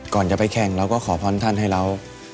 ก่อนจะไปแข่งเราก็ขอพรท่านให้เรา